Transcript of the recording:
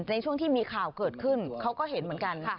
ในช่วงที่มีข่าวเกิดขึ้นเขาก็เห็นเหมือนกัน